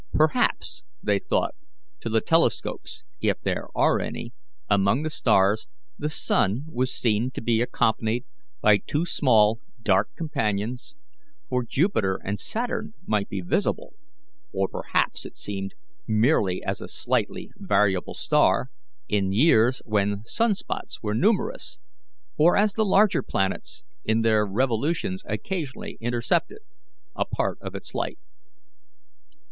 Perhaps, they thought, to the telescopes if there are any among the stars, the sun was seen to be accompanied by two small, dark companions, for Jupiter and Saturn might be visible, or perhaps it seemed merely as a slightly variable star, in years when sun spots were numerous, or as the larger planets in their revolutions occasionally intercepted a part of its light.